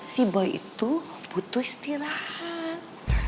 si boi itu butuh istirahat